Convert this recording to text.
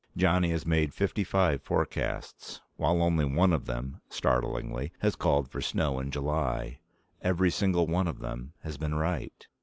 Johnny has made fifty five forecasts. While only one of them startlingly has called for snow in July every single one of them has been right."